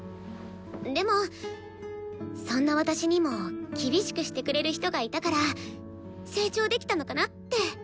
でもそんな私にも厳しくしてくれる人がいたから成長できたのかなって。